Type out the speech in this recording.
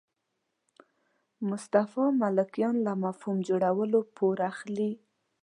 مصطفی ملکیان له مفهوم جوړولو پور اخلي.